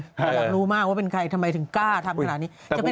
แต่อยากรู้มากว่าเป็นใครทำไมถึงกล้าทำขนาดนี้